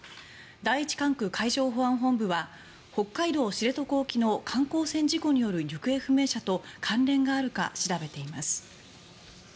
第一管区海上保安本部は北海道・知床沖の観光船事故による行方不明者と関連があるか調べています。